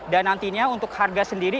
dan nantinya untuk harga sendiri